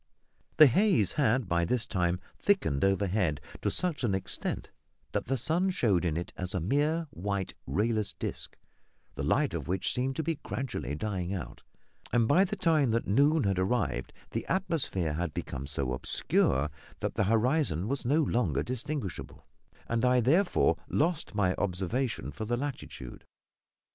The haze had by this time thickened overhead to such an extent that the sun showed in it as a mere white, rayless disc, the light of which seemed to be gradually dying out; and by the time that noon had arrived the atmosphere had become so obscure that the horizon was no longer distinguishable, and I, therefore, lost my observation for the latitude.